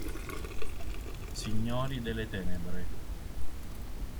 Signori delle tenebre